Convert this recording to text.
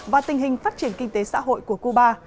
và tình hình phát triển kinh tế xã hội của cuba